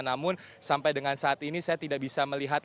namun sampai dengan saat ini saya tidak bisa melihat